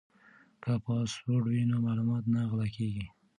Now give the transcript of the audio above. که پاسورډ وي نو معلومات نه غلا کیږي.